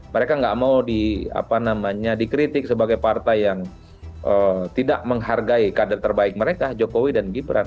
mereka nggak mau dikritik sebagai partai yang tidak menghargai kader terbaik mereka jokowi dan gibran